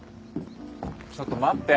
ちょっと待って。